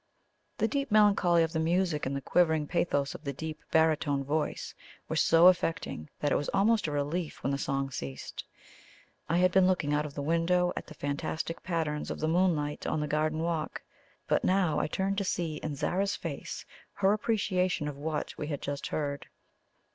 The deep melancholy of the music and the quivering pathos of the deep baritone voice were so affecting that it was almost a relief when the song ceased. I had been looking out of the window at the fantastic patterns of the moonlight on the garden walk, but now I turned to see in Zara's face her appreciation of what we had just heard.